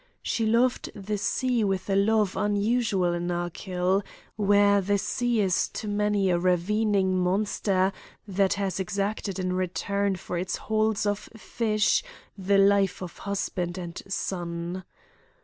She loved the sea with a love unusual in Achill, where the sea is to many a ravening monster that has exacted in return for its hauls of fish the life of husband and son.